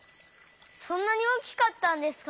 そんなに大きかったんですか？